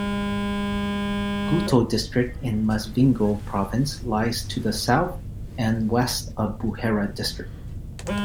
Gutu District in Masvingo Province lies to the south and west of Buhera District.